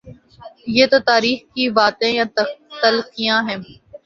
یہ تو تاریخ کی باتیں یا تلخیاں ہیں۔